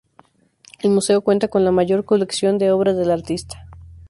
El museo cuenta con la mayor colección de obras del artista.